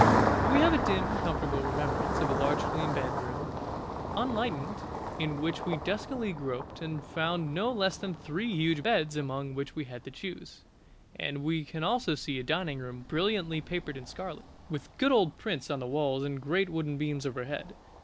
But we have a dim, comfortable remembrance of a large clean bedroom, unlighted, in which we duskily groped and found no less than three huge beds among which we had to choose; and we can see also a dining room brilliantly papered in scarlet, with good old prints on the walls and great wooden beams overhead.